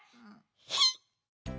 ひっ！